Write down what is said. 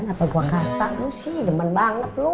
kan apa gua kata lu sih demen banget lu